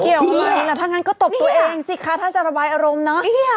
เกี่ยวกันแล้วถ้างั้นก็ตบตัวเองสิคะถ้าจะระบายอารมณ์เนอะ